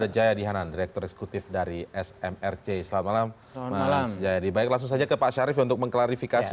baik langsung saja ke pak syarif untuk mengklarifikasi